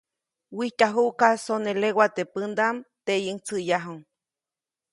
Wijtyajuʼka sone lewa teʼ pändaʼm, teʼyiʼuŋ tsäʼyäju.